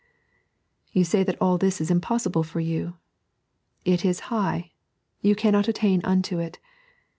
You say that all this ia impossible for you. It is high ; you cannot attain unto it.